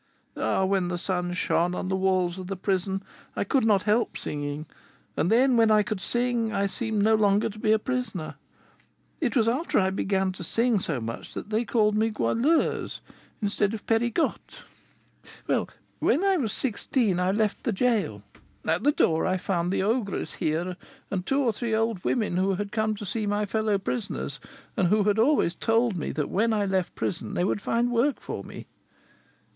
Ah, when the sun shone on the walls of the prison I could not help singing; and then, when I could sing, I seemed no longer to be a prisoner. It was after I began to sing so much that they called me Goualeuse, instead of Pegriotte. Well, when I was sixteen, I left the gaol. At the door, I found the ogress here, and two or three old women, who had come to see my fellow prisoners, and who had always told me that when I left the prison they would find work for me."